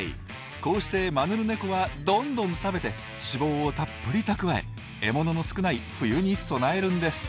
こうしてマヌルネコはどんどん食べて脂肪をたっぷり蓄え獲物の少ない冬に備えるんです。